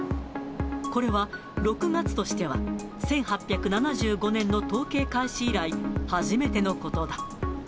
これは６月としては、１８７５年の統計開始以来、初めてのことだ。